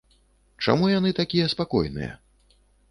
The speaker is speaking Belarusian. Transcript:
Чаму яны такія спакойныя?